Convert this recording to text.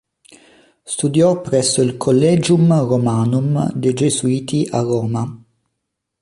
Studiò presso il Collegium Romanum dei gesuiti a Roma.